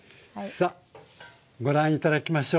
さあご覧頂きましょう。